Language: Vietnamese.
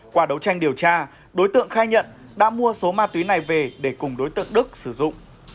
qua đấu tranh điều tra đối tượng khai nhận đã mua số ma túy này về để cùng đối tượng đức sử dụng